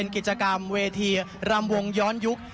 กิจกรรมเวทีรำวงย้อนยุค